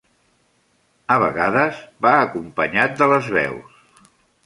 A vegades, va acompanyat de les veus.